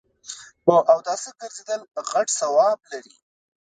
په اوداسه ګرځیدل غټ ثواب لري